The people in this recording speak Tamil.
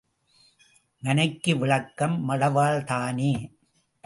மனைக்கு விளக்கம் மடவாள்தானே!